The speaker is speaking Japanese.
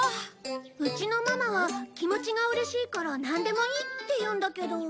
うちのママは気持ちがうれしいからなんでもいいって言うんだけど。